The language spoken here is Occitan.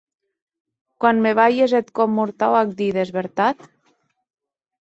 Quan me balhes eth còp mortau ac dides, vertat?